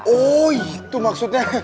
oh itu maksudnya